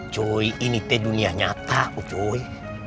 cuy ini teh dunia nyata cuy